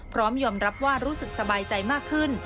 พร้อมยอมรับว่ารู้สึกสบายใจมากขึ้น